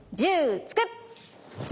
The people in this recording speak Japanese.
１０突く！